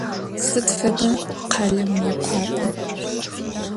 Sıd feda khaleu Mıêkhuape?